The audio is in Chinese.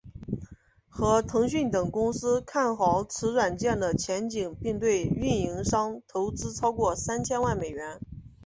和腾讯等公司看好此软件的前景并对运营商投资超过三千万美元。